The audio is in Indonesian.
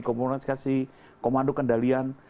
komunikasi komando kendalian